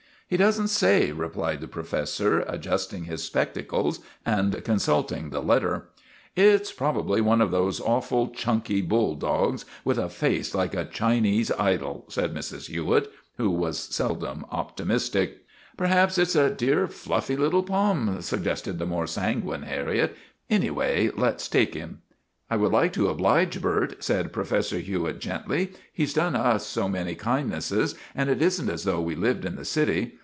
' He does n't say," replied the professor, adjust ing his spectacles and consulting the letter. " It 's probably one of those awful, chunky bull dogs, with a face like a Chinese idol," said Mrs. Hewitt, who was seldom optimistic. 213 WOTAN, THE TERRIBLE " Perhaps it 's a dear, fluffy little Pom.," sug gested the more sanguine Harriet. " Anyway, let 's take him." " I would like to oblige Bert," said Professor Hewitt gently. * He 's done us so many kindnesses. And it is n't as though we lived in the city.